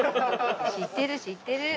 知ってる知ってる。